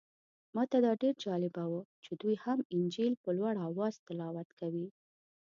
ماته دا ډېر جالبه و چې دوی هم انجیل په لوړ اواز تلاوت کوي.